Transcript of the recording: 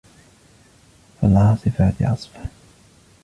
فالعاصفات عصفا